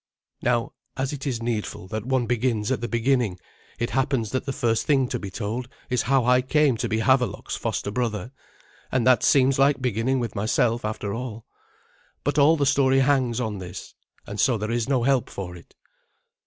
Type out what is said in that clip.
Now, as it is needful that one begins at the beginning, it happens that the first thing to be told is how I came to be Havelok's foster brother, and that seems like beginning with myself after all. But all the story hangs on this, and so there is no help for it.